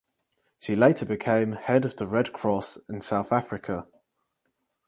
She later became head of the Red Cross in South Africa.